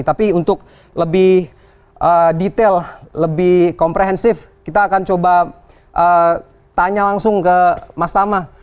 tapi untuk lebih detail lebih komprehensif kita akan coba tanya langsung ke mas tama